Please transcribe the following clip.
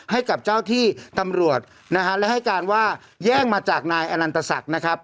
ให้กับเจ้าที่ตำรวจนะฮะและให้การว่าแย่งมาจากนายอนันตศักดิ์นะครับ